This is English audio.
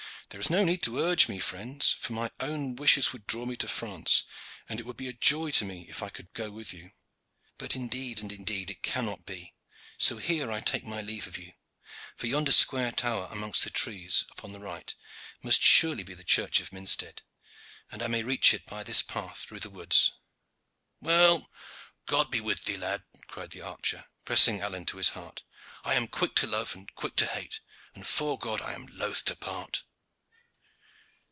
"There is no need to urge me, friends, for my own wishes would draw me to France, and it would be a joy to me if I could go with you. But indeed and indeed it cannot be, so here I take my leave of you, for yonder square tower amongst the trees upon the right must surely be the church of Minstead, and I may reach it by this path through the woods." "Well, God be with thee, lad!" cried the archer, pressing Alleyne to his heart. "I am quick to love, and quick to hate and 'fore God I am loth to part."